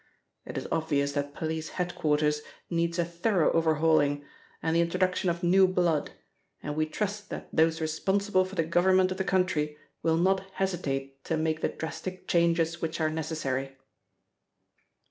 It is obvious that police head quarters needs a thorough overhauling, and the introduction of new blood, and we trust that those responsible for the government of the country, will not hesitate to make the drastic changes which are necessary."